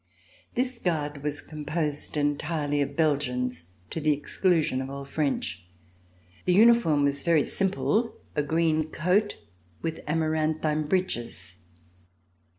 This Guard was composed entirely of Belgians, to the exclusion of all French. The uniform was very simple: a green coat with amaranthine breeches.